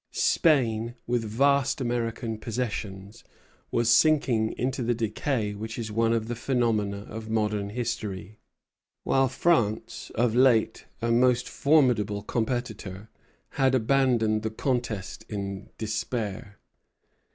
Spain, with vast American possessions, was sinking into the decay which is one of the phenomena of modern history; while France, of late a most formidable competitor, had abandoned the contest in despair.